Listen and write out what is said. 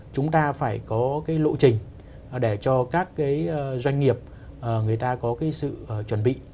chúng ta phải có cái lộ trình để cho các cái doanh nghiệp người ta có cái sự chuẩn bị